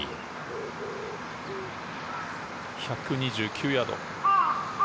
１２９ヤード。